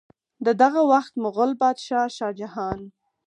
د دغه وخت مغل بادشاه شاه جهان